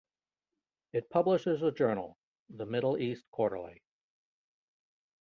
It publishes a journal, the "Middle East Quarterly".